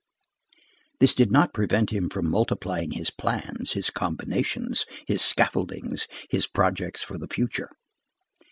This did not prevent him from multiplying his plans, his combinations, his scaffoldings, his projects for the future.